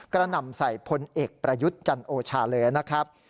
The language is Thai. หนำใส่พลเอกประยุทธ์จันโอชาเลยนะครับ